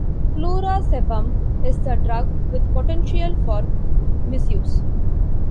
Flurazepam is a drug with potential for misuse.